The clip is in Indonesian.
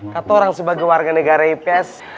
katorang sebagai warga negara ips